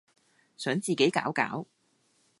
想自己搞搞